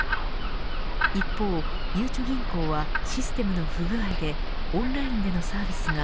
一方、ゆうちょ銀行はシステムの不具合でオンラインでのサービスが